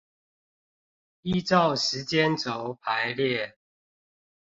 依照時間軸排列